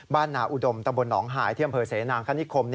บ้านหนาอุดมตนหายที่อำเภอเสนางคณิคคม